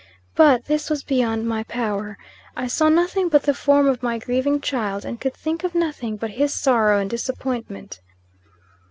But, this was beyond my power. I saw nothing but the form of my grieving child, and could think of nothing but his sorrow and disappointment.